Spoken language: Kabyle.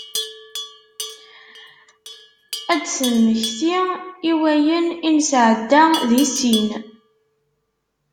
Ad temmekti i wayen i nesɛedda d issin.